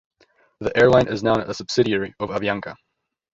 The airline is now a subsidiary of Avianca.